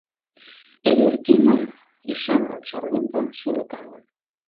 Эвердина ӱшанымым чарнен да шӱлыкаҥын.